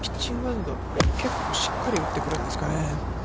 結構、しっかり打ってくるんですかね。